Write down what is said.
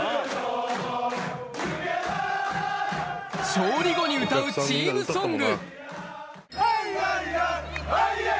勝利後に歌うチームソング。